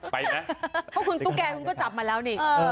เพราะคุณตุ๊กแกยคุณก็จับมาแล้วนิ